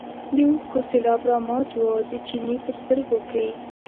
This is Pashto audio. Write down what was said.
د اوښکو سېلاب رامات و د چیني په سترګو کې.